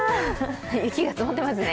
雪が積もってますね。